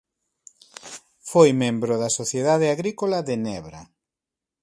Foi membro da Sociedade Agrícola de Nebra.